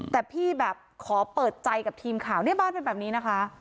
แต่พี่แบบขอเปิดใจกับทีมข่าวเนี่ยบ้านเป็นแบบนี้นะคะ